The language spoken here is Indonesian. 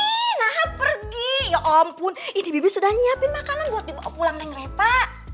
ih nahan pergi ya ampun ini bibi sudah nyiapin makanan buat pulang reva